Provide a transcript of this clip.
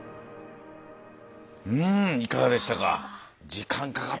うんいかがでしたか。